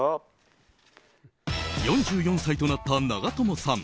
４４歳となった長友さん。